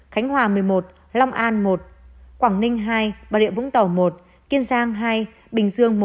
khánh hòa một mươi một long an một quảng ninh hai bà rịa vũng tàu một kiên giang hai bình dương